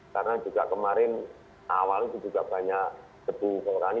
karena juga kemarin awalnya itu juga banyak debu kawuran